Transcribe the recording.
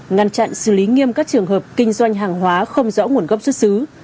ngăn chặn xử lý nghiêm các trường hợp kinh doanh hàng hóa không rõ nguồn gốc xuất xứ